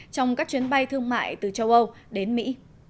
trong các chuyến bay thương mại từ châu âu đến mỹ